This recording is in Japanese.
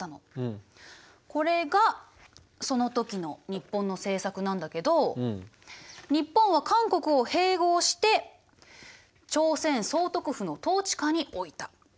これがその時の日本の政策なんだけど日本は韓国を併合して朝鮮総督府の統治下に置いた。